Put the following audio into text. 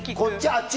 あっち？